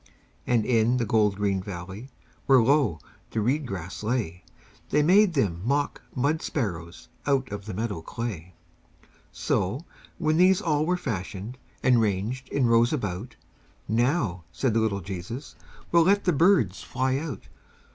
And in the gold green valley, Where low the reed grass lay, They made them mock mud sparrows Out of the meadow clay. So, when these all were fashioned, And ranged in rows about, "Now," said the little Jesus, "We'll let the birds fly out."